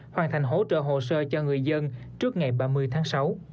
hoàn thành hỗ trợ hồ sơ cho người dân trước ngày ba mươi tháng sáu